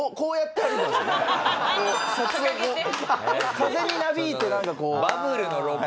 風になびいてなんかこう。